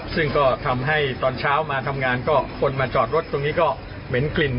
ซึ่งก็ทำให้ตอนเช้ามาทำงานก็คนมาจอดรถตรงนี้ก็เหม็นกลิ่น